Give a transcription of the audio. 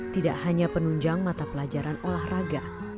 tidak hanya penunjang mata pelajaran olahraga